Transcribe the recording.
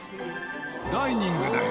ダイニングだよ。